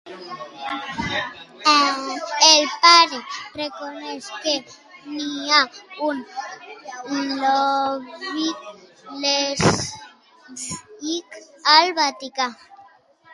El Papa reconeix que hi ha un 'lobby' lèsbic al Vaticà.